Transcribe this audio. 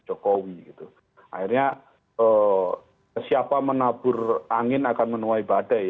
akhirnya siapa menabur angin akan menuai badai